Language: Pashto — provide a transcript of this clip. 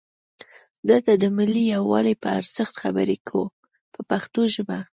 دلته د ملي یووالي په ارزښت خبرې کوو په پښتو ژبه.